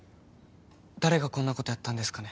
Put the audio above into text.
誰がこんなことやったんですかね